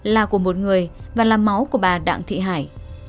là của một người và là máu của bà đặng thị hải